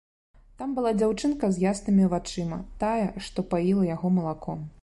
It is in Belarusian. Там была дзяўчынка з яснымі вачыма, тая, што паіла яго малаком.